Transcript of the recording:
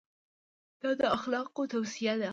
دا د اخلاقو توصیه ده.